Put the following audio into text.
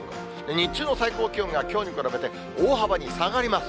日中の最高気温がきょうに比べて大幅に下がります。